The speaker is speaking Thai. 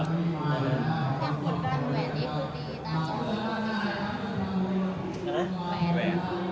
แชมปุ๋นกลางแหวนนี้คือดีแต่ชูหมูยยอดอีกถึงละ